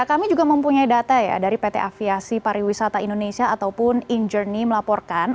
kami juga mempunyai data ya dari pt aviasi pariwisata indonesia ataupun injourney melaporkan